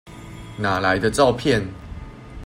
哪來的照片？